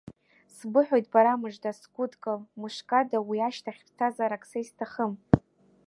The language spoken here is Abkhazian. Сбыҳәоит, барамыжда, сгәыдкыл, мышкада, уи ашьҭахь, ԥсҭазаарк са исҭахым!